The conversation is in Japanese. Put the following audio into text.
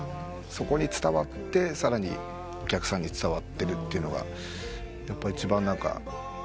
そこに伝わってさらにお客さんに伝わってるというのが一番うれしいですね。